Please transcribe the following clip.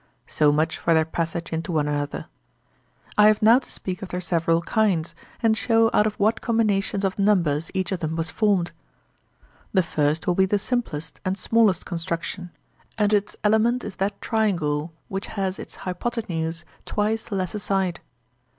So much for their passage into one another. I have now to speak of their several kinds, and show out of what combinations of numbers each of them was formed. The first will be the simplest and smallest construction, and its element is that triangle which has its hypotenuse twice the lesser side.